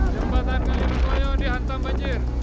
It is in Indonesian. jembatan kajang koyong dihantam banjir